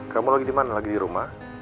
kamu lagi dimana lagi dirumah